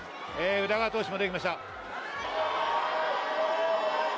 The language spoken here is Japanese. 宇田川投手も出てきました。